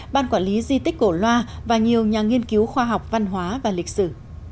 ban quản lý di tích cổ loa và nhiều nhà nghiên cứu khoa học văn hóa và lịch sử